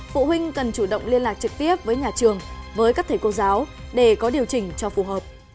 phụ huynh cần chủ động liên lạc trực tiếp với nhà trường với các thầy cô giáo để có điều chỉnh cho phù hợp